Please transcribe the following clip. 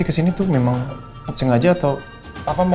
ga tenangin aja ma ya